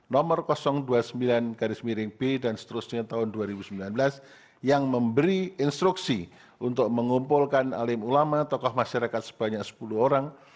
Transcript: nomor dua puluh sembilan garis miring b dan seterusnya tahun dua ribu sembilan belas yang memberi instruksi untuk mengumpulkan alim ulama tokoh masyarakat sebanyak sepuluh orang